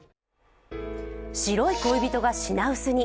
白い恋人が品薄に。